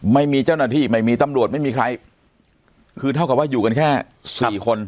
ไม่มีเจ้าหน้าที่ไม่มีตำรวจไม่มีใครคือเท่ากับว่าอยู่กันแค่สี่คน